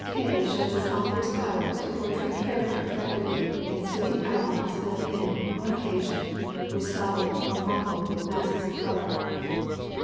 K. shows its author's power to portray character effectively in sweeping outlines filled in, on occasion, with solid or mottled masses of color.